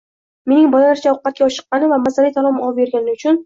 Mening bolalarcha ovqatga oshiqqanim va mazali taom olib bergani uchun